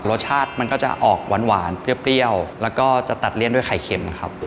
รสชาติมันก็จะออกหวานเปรี้ยวแล้วก็จะตัดเลี่ยนด้วยไข่เค็มนะครับ